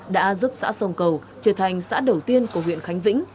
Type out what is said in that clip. đã giúp xã sông cầu trở thành xã đầu tiên của huyện khánh vĩnh